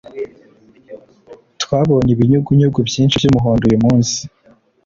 Twabonye ibinyugunyugu byinshi byumuhondo uyumunsi.